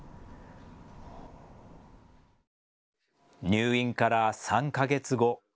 入院から３か月後。